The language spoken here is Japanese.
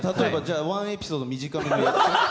ワンエピソード、短めに。